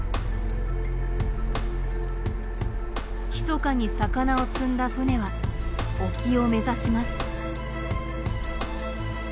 ひそかに魚を積んだ船は沖を目指します。